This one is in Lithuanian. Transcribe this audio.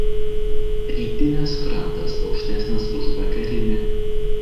Rytinis krantas aukštesnis už vakarinį.